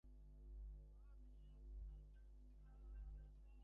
যাঁদের সারা দিন হাত ভেজাতে হয়, তাঁরা দস্তানা ব্যবহার করতে পারেন।